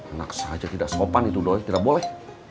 enak saja tidak sopan itu doi tidak boleh